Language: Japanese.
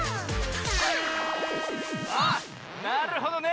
あっなるほどね。